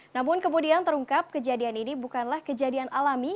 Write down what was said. namun kemudian terungkap kejadian ini bukanlah kejadian alami